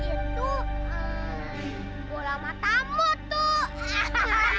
itu eh bola matamu tuh